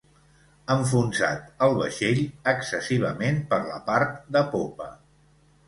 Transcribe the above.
Enfonsat, el vaixell, excessivament per la part de popa.